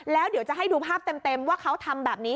แล้วเดี๋ยวจะให้ดูภาพเต็มว่าเขาทำแบบนี้